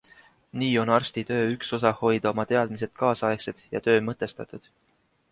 Nii on arsti töö üks osa hoida oma teadmised kaasaegsed ja töö mõtestatud.